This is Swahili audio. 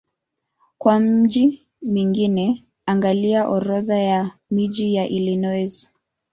Kwa miji mingine angalia Orodha ya miji ya Illinois.